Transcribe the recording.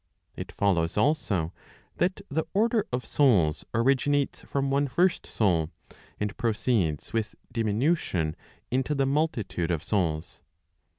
It follows also, that the order of souls originates from one first soul, and proceeds with diminution into the multitude of souls.